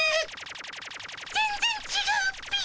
全ぜんちがうっピィ。